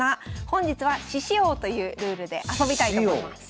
本日は獅子王というルールで遊びたいと思います。